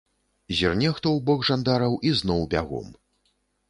Зірне хто ў бок жандараў і зноў бягом.